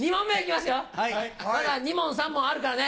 まだ２問３問あるからね！